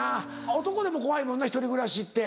男でも怖いもんな１人暮らしって。